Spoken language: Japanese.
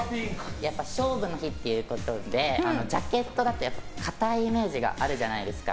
勝負の日っていうことでジャケットだと堅いイメージがあるじゃないですか。